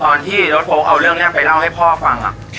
ตอนที่รถโพกเอาเรื่องนี้ไปเล่าให้พ่อฟัง